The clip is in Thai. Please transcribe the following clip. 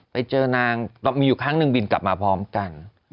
ไปเจอนางมีอยู่ครั้งหนึ่งบินกลับมาพร้อมกัน